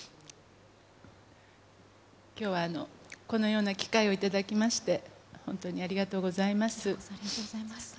きょうはこのような機会を頂きまして、本当にありがとうございます。